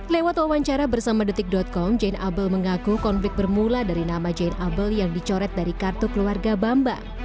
lewat wawancara bersama detik com jane abel mengaku konflik bermula dari nama jane abel yang dicoret dari kartu keluarga bambang